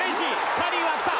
カーリーが来た！